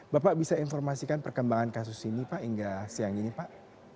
bapak bisa informasikan perkembangan kasus ini pak hingga siang ini pak